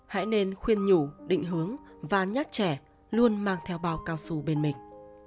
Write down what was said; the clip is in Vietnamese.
hãy nên khuyên nhủ định hướng và nhắc trẻ luôn mang theo bao cao su bên mình